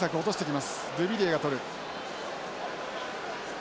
ドゥビリエがとる。